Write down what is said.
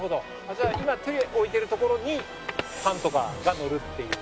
じゃあ今手置いてる所にパンとかがのるっていう事。